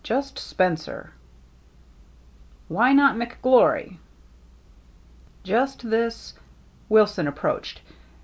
Just Spencer." "Why not McGlory?" "Just this —" Wilson approached.